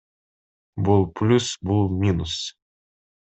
Бул плюс, бул минус.